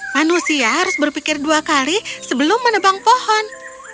manusia harus berpikir dua kali sebelum menebang pohon